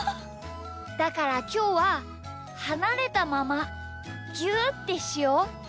だからきょうははなれたままぎゅうってしよう？